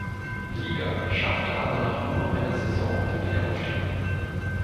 Liga, schaffte aber nach nur einer Saison der Wiederaufstieg.